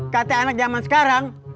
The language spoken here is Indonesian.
kata anak zaman sekarang